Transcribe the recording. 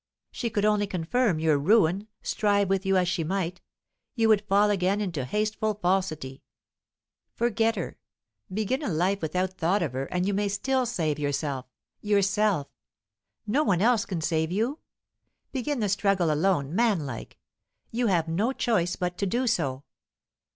She could only confirm your ruin, strive with you as she might; you would fall again into hateful falsity. Forget her, begin a life without thought of her, and you may still save yourself yourself; no one else can save you. Begin the struggle alone, manlike. You have no choice but to do so."